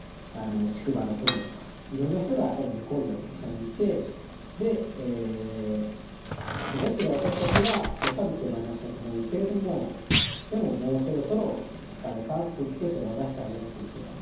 竹馬の友とかいろんな人がやっぱり向こうにはたくさんいてでえ残ってる私たちはやっぱり手放したくないけれどもでももうそろそろ「お疲れさん」っていって手放してあげなきゃいけない。